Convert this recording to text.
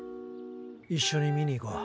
一緒に見に行こう。